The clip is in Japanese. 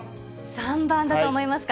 ３番だと思いますか。